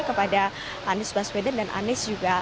kepada anis baswedan dan anis rashid baswedan